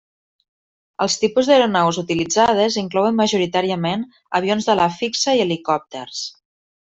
Els tipus d'aeronaus utilitzades inclouen majoritàriament avions d'ala fixa i helicòpters.